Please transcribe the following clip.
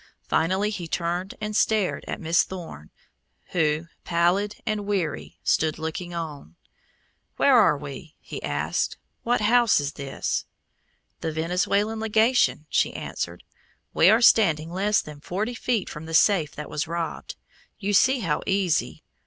Finally he turned and stared at Miss Thorne, who, pallid and weary, stood looking on. "Where are we?" he asked. "What house is this?" "The Venezuelan legation," she answered. "We are standing less than forty feet from the safe that was robbed. You see how easy